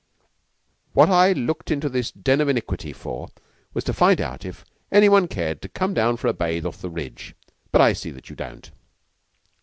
What I looked into this den of iniquity for was to find out if any one cared to come down for a bathe off the Ridge. But I see you won't."